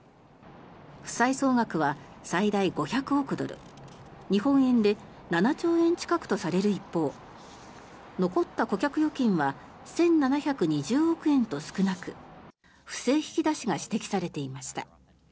負債総額は最大５００億ドル日本円で７兆円近くとされる一方残った顧客預金は１７２０億円と少なく不正引き出しが指摘されていました。